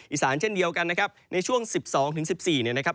อีสานเช่นเดียวกันนะครับในช่วง๑๒๑๔เนี่ยนะครับ